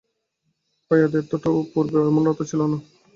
উদয়াদিত্য তো পূর্বে এমনতর ছিল না।